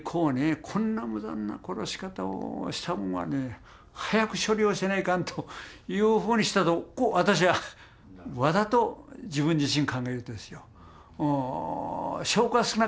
こんな無残な殺し方をした者はね早く処理をせないかんというふうにしたと私はわざと自分自身考えよったですよ。